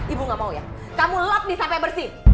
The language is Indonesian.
ibu gak mau ya kamu lock nih sampe bersih